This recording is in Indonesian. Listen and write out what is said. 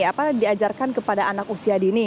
apa diajarkan kepada anak usia dini